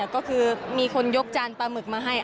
ก็คือมีคนยกจานปลาหมึกมาให้